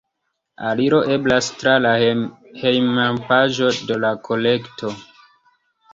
Aliro eblas tra la hejmpaĝo de la kolekto.